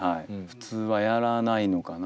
普通はやらないのかな？